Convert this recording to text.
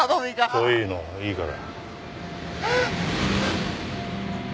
そういうのいいから。